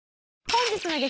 本日の激